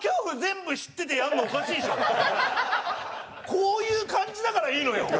こういう感じだからいいのよ。